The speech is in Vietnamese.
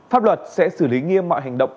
pháp luật sẽ xử lý nghiêm mọi hành động